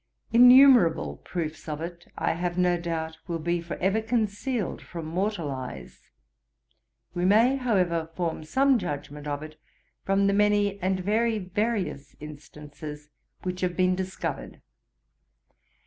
Innumerable proofs of it I have no doubt will be for ever concealed from mortal eyes. We may, however, form some judgement of it, from the many and very various instances which have been discovered.